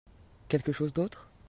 Quelque chose d'autre ?